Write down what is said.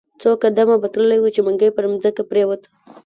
څو قدمه به تللی وو، چې منګی پر مځکه پریووت.